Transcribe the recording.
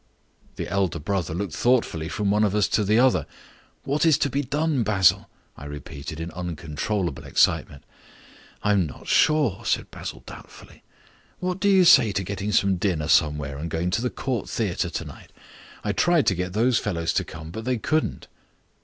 The elder brother looked thoughtfully from one of us to the other. "What is to be done, Basil?" I repeated in uncontrollable excitement. "I'm not sure," said Basil doubtfully. "What do you say to getting some dinner somewhere and going to the Court Theatre tonight? I tried to get those fellows to come, but they couldn't."